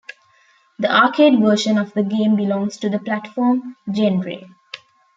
The arcade version of the game belongs to the platform genre.